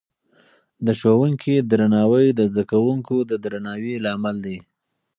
د ښوونکې درناوی د زده کوونکو د درناوي لامل دی.